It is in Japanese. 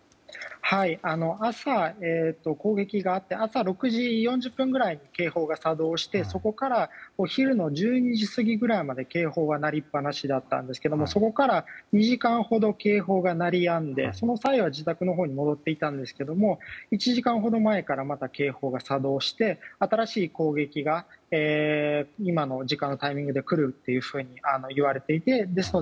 朝、攻撃があって朝の６時４０分くらいに警報が作動してそこからお昼の１２時過ぎぐらいまで警報が鳴りっぱなしだったんですがそこから２時間ほど警報が鳴りやんでその際は自宅に戻っていたんですが１時間ほど前からまた警報が作動して新しい攻撃が今の時間のタイミングでくるといわれていて。